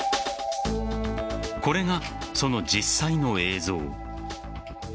これが、その実際の映像。